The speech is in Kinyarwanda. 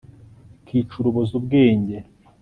bikica urubozo ubwenge